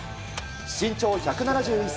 身長１７１ｃｍの翠